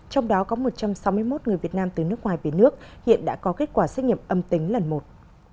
trong đó có một trăm sáu mươi một người việt nam từ nước ngoài về nước hiện đã có kết quả xét nghiệm âm tính lần một